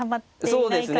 そうですね。